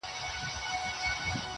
توپونو وراني کړلې خوني د قلا برجونه-